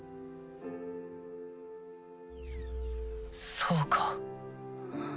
そうか。